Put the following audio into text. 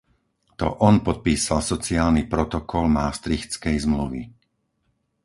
To on podpísal Sociálny protokol Maastrichtskej zmluvy.